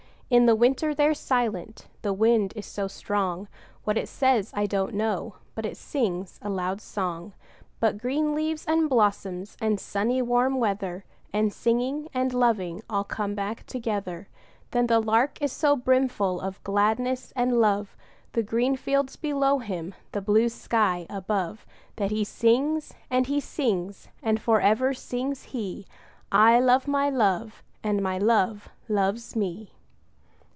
In the winter they're silent the wind is so strong; What it says, I don't know, but it sings a loud song. But green leaves, and blossoms, and sunny warm weather, 5 And singing, and loving all come back together. But the Lark is so brimful of gladness and love, The green fields below him, the blue sky above, That he sings, and he sings; and for ever sings he 'I love my Love, and my Love loves me!'